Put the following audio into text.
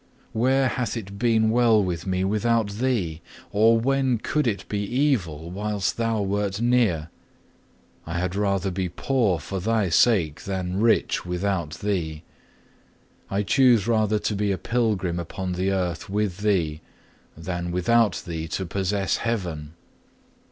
Where hath it been well with me without Thee? Or when could it be evil whilst Thou wert near? I had rather be poor for Thy sake, than rich without Thee. I choose rather to be a pilgrim upon the earth with Thee than without Thee to possess heaven.